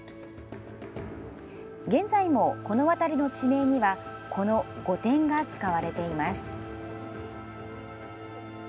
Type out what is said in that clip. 現在も、この辺りの地名にはこの「御殿」が使われています。